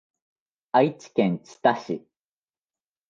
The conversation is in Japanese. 愛知県知多市